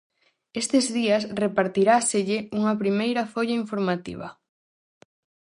Estes días repartiráselle unha primeira folla informativa.